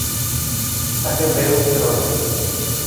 তাকে বেড়ে উঠতে হবে।